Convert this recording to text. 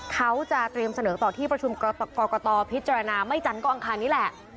เขาจะเตรียมเสนอต่อที่ประชุมกรกตพิจารณาไม่จันทร์ก็อังคารนี้แหละ